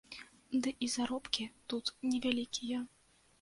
Ды і заробкі тут невялікія.